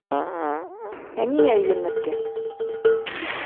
Ә ниңә өйләнмәҫкә?